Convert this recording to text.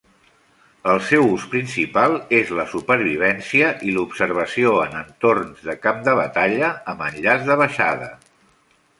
El seu ús principal és la supervivència i l'observació en entorns de camp de batalla amb enllaç de baixada.